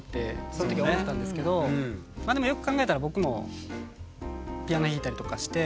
その時は思ったんですけどまあでもよく考えたら僕もピアノ弾いたりとかして。